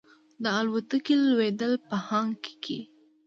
د الوتکې لوېدل په هانګ کې کې.